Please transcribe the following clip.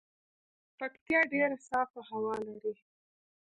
پکتيا ډیره صافه هوا لري